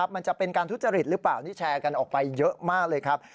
มันจะเป็นการทุจริตหรือเปล่านี่แชร์กันออกไปเยอะมากเลยครับ